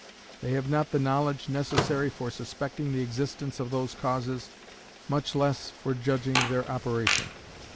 They have not the knowledge necessary for suspecting the existence of those causes, much less for judging of their operation.